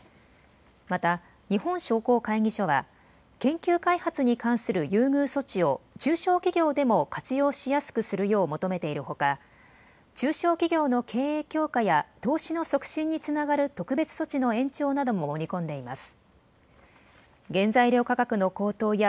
また日本商工会議所は研究開発に関する優遇措置を中小企業でも活用しやすくするよう求めているほか中小企業の経営強化や投資の促進につながる特別措置の延長なども盛り込んでいます。